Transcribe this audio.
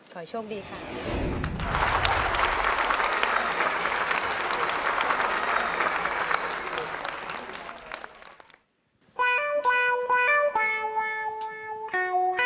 ขอให้โชคดีค่ะ